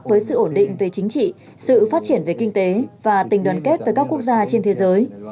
với sự ổn định về chính trị sự phát triển về kinh tế và tình đoàn kết với các quốc gia trên thế giới